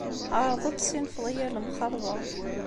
Ɛreḍ ad tessinfeḍ i yir lemxalḍa.